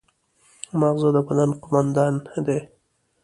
ماغزه د بدن قوماندان دی